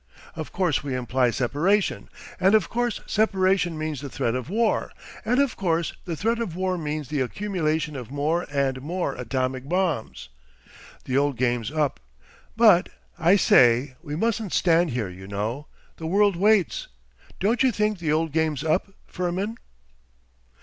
Of course we imply separation, and of course separation means the threat of war, and of course the threat of war means the accumulation of more and more atomic bombs. The old game's up. But, I say, we mustn't stand here, you know. The world waits. Don't you think the old game's up, Firmin?